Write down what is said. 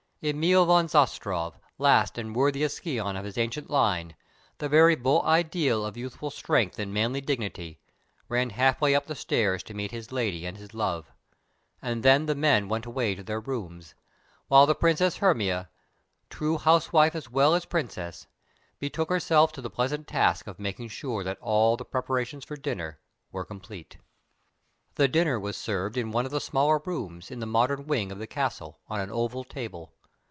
Emil von Zastrow, last and worthiest scion of his ancient line, the very beau ideal of youthful strength and manly dignity, ran half way up the stairs to meet his lady and his love, and then the men went away to their rooms, while the Princess Hermia, true housewife as well as princess, betook herself to the pleasant task of making sure that all the preparations for dinner were complete. The dinner was served in one of the smaller rooms, in the modern wing of the Castle, on an oval table.